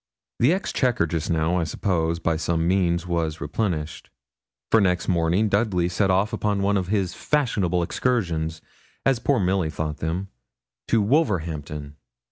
The exchequer just now, I suppose, by some means, was replenished, for next morning Dudley set off upon one of his fashionable excursions, as poor Milly thought them, to Wolverhampton.